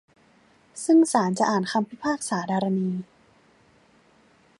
ซึ่งศาลจะอ่านคำพิพากษาดารณี